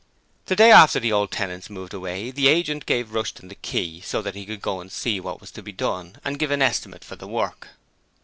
The day after the old tenants moved away, the agent gave Rushton the key so that he could go to see what was to be done and give an estimate for the work.